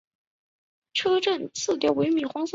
车站色调为米黄色。